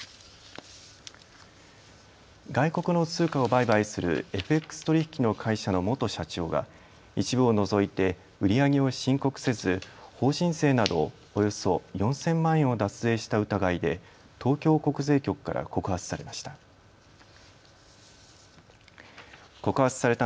外国の通貨を売買するＦＸ取引の会社の元社長は一部を除いて売り上げを申告せず法人税などおよそ４０００万円を脱税した疑いで東京国税局から告発されました。